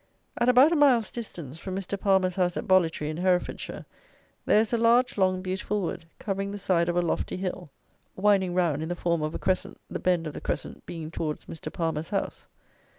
At about a mile's distance from Mr. Palmer's house at Bollitree, in Herefordshire, there is a large, long beautiful wood, covering the side of a lofty hill, winding round in the form of a crescent, the bend of the crescent being towards Mr. Palmer's house.